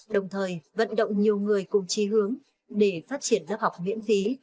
đồng thời vận động nhiều người cùng chi hướng để phát triển lớp học miễn phí